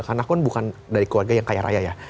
karena aku kan bukan dari keluarga yang kaya raya ya